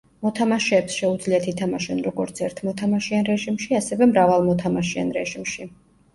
მოთამაშეებს შეუძლიათ ითამაშონ როგორც ერთმოთამაშიან რეჟიმში, ასევე მრავალმოთამაშიან რეჟიმში.